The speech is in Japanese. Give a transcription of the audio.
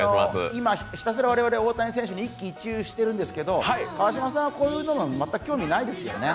今、ひたすら、我々大谷選手に一喜一憂してますけど川島さんはこういうものに全く興味ないですよね？